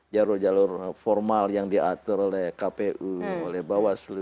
jalur jalur formal yang diatur oleh kpu oleh bawaslu